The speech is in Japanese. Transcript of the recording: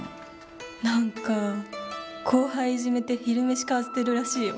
何か後輩いじめて昼飯買わせてるらしいよ。